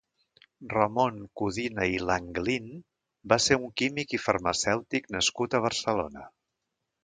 Ramon Codina i Langlin va ser un químic i farmacèutic nascut a Barcelona.